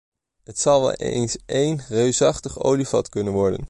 Het zou wel eens één reusachtig olievat kunnen worden.